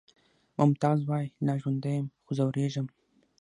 ممتاز وایی لا ژوندی یم خو ځورېږم